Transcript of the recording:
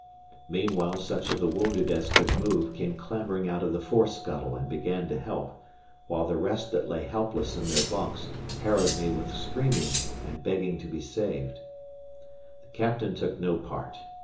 Meanwhile such of the wounded as could move came clambering out of the fore scuttle and began to help; while the rest that lay helpless in their bunks harrowed me with screaming and begging to be saved. The captain took no part.